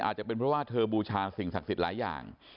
อาจจะเป็นเพราะว่าเธอบูชาสิ่งศักดิ์สิทธิ์หลายอย่าง